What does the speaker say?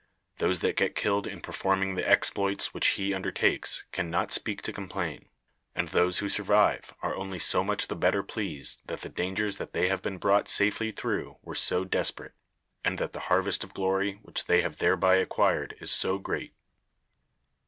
Those that get killed in performing the exploits which he undertakes can not speak to complain, and those who survive are only so much the better pleased that the dangers that they have been brought safely through were so desperate, and that the harvest of glory which they have thereby acquired is so great.